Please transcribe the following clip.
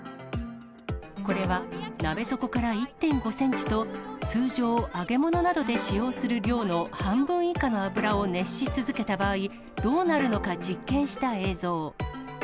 これは鍋底から１．５センチと、通常、揚げ物などで使用する量の半分以下の油を熱し続けた場合、どうなるのか実験した映像。